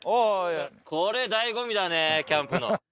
これ醍醐味だねキャンプの。